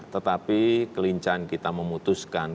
tetapi kelincahan kita memutuskan